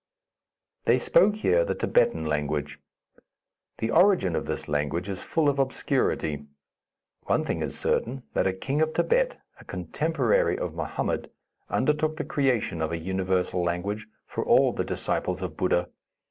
They spoke here the Thibetan language. The origin of this language is full of obscurity. One thing is certain, that a king of Thibet, a contemporary of Mohammed, undertook the creation of an universal language for all the disciples of Buddha.